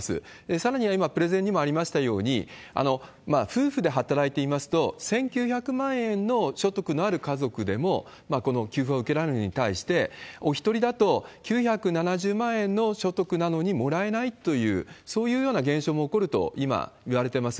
さらには今プレゼンにもありましたように、夫婦で働いていますと、１９００万円の所得のある家族でもこの給付が受けられるのに対して、お１人だと９７０万円の所得なのにもらえないという、そういうような現象も起こると今、いわれています。